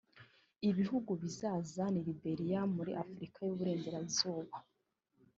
Ibihugu bizaza ni Liberia muri Afurika y’Uburengerazuba